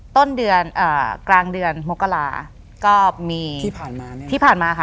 ต้นเดือนเอ่อกลางเดือนมกราก็มีที่ผ่านมาที่ผ่านมาค่ะ